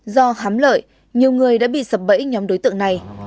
do hám lợi nhiều người đã bị sập bẫy nhóm đối tượng này